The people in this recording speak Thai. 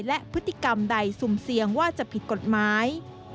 และพฤติกรรมใดสุ่มเสี่ยงว่าจะผิดกฎหมาย